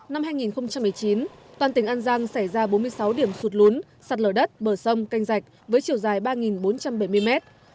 năm hai nghìn một mươi chín toàn tỉnh an giang xảy ra bốn mươi sáu điểm sụt lún sạt lở đất bờ sông canh rạch với chiều dài ba bốn trăm bảy mươi mét